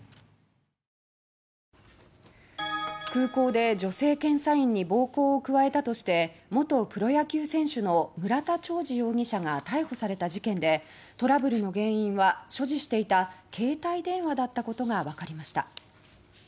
空港で女性検査員に暴行を加えたとして元プロ野球選手の村田兆治容疑者が逮捕された事件でトラブルの原因は所持していた携帯電話だったことが分かりました。